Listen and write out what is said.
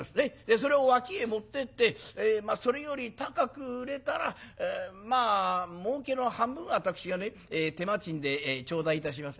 それを脇へ持ってってそれより高く売れたら儲けの半分は私がね手間賃で頂戴いたします。